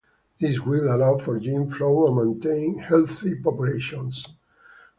This will allow for gene flow and maintain healthy populations.